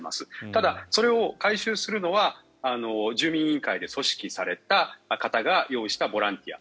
ただ、それを回収するのは住民委員会で組織された方が用意したボランティア。